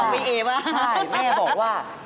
แม่บอกว่าแม่บอกว่าแม่บอกว่าแม่บอกว่าแม่บอกว่าแม่บอกว่า